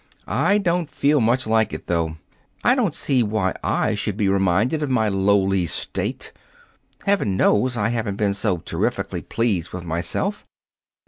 I don't feel much like it, though. I don't see why I should be reminded of my lowly state. Heaven knows I haven't been so terrifically pleased with myself!